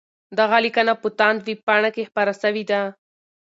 دغه لیکنه په تاند ویبپاڼه کي خپره سوې ده.